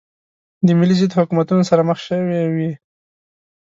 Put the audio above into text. د ملي ضد حکومتونو سره مخ شوې وې.